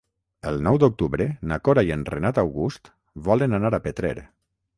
El nou d'octubre na Cora i en Renat August volen anar a Petrer.